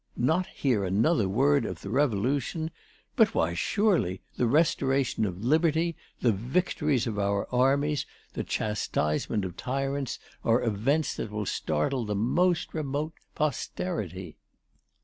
not hear another word of the Revolution!... But, why surely, the restoration of liberty, the victories of our armies, the chastisement of tyrants are events that will startle the most remote posterity.